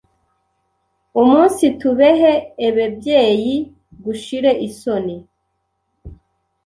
Umunsitubehe ebebyeyi, gushire isoni,